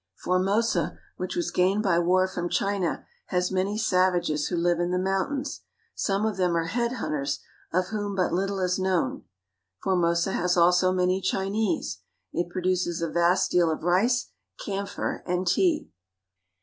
Formosa, which was gained by war from China, has many savages who live in the mountains. Some of them are head hunters, of whom but Httle is known. Formosa has also many Chinese. It produces a vast deal of rice, camphor, and tea.